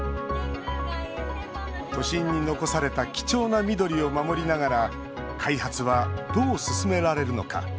都心に残された貴重な緑を守りながら開発はどう進められるのか。